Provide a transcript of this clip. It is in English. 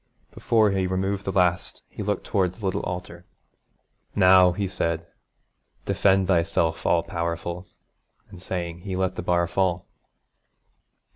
Before he removed the last he looked towards the little altar. 'Now,' he said, 'defend Thyself, all powerful!' and saying, he let the bar fall.